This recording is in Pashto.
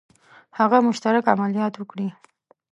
هغه مشترک عملیات وکړي.